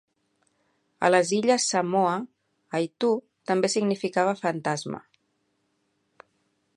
A les illes Samoa, "aitu" també significa fantasma.